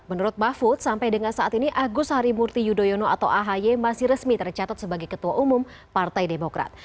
menurut mahfud sampai dengan saat ini agus harimurti yudhoyono atau ahy masih resmi tercatat sebagai ketua umum partai demokrat